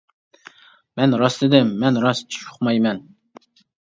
-مەن راست دېدىم، مەن راست ئىش ئۇقمايمەن.